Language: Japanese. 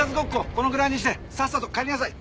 このぐらいにしてさっさと帰りなさい。